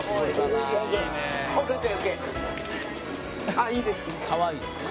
あっいいですね。